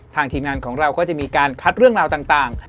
ทีมงานของเราก็จะมีการคัดเรื่องราวต่าง